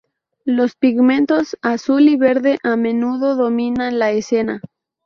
Los pigmentos azul y verde a menudo dominan la escena.